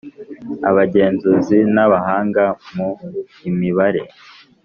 Abagenzuzi n abahanga mu imibare